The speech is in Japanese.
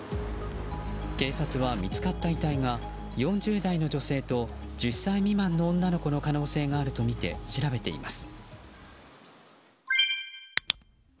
警察は見つかった遺体が４０代の女性と１０歳未満の女の子の可能性があるとみて調べています。